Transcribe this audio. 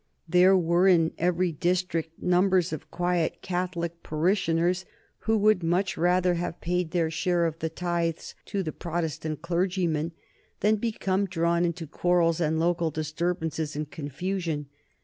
There were in every district numbers of quiet Catholic parishioners who would much rather have paid their share of the tithes to the Protestant clergymen than become drawn into quarrels and local disturbances and confusion.